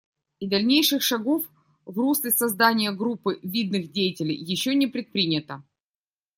И дальнейших шагов в русле создания группы видных деятелей еще не предпринято.